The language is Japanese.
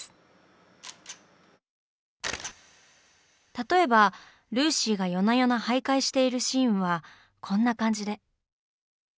例えばルーシーが夜な夜な徘徊しているシーンはこんな感じで。